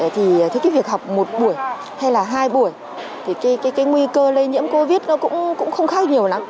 thì cái việc học một buổi hay là hai buổi thì cái nguy cơ lây nhiễm covid nó cũng không khác nhiều lắm